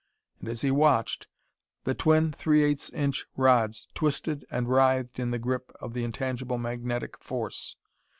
And as he watched, the twin three eighths inch rods twisted and writhed in the grip of the intangible magnetic force.